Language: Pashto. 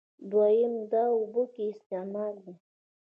دويم د اوبو کم استعمال دی